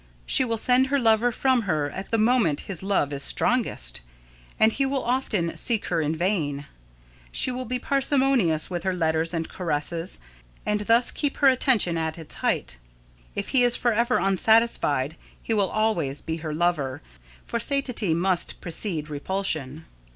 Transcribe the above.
She will send her lover from her at the moment his love is strongest, and he will often seek her in vain. She will be parsimonious with her letters and caresses and thus keep her attraction at its height. If he is forever unsatisfied, he will always be her lover, for satiety must precede repulsion.